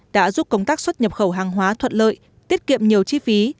đã giúp công tác xuất nhập khẩu hàng hóa thuận lợi tiết kiệm nhiều chi phí